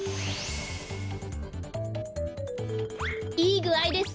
いいぐあいです。